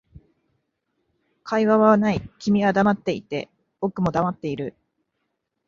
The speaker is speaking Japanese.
会話はない、君は黙っていて、僕も黙っている